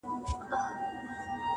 شپونکی چي نه سي ږغولای له شپېلۍ سندري!.